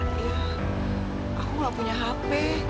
iya aku gak punya hp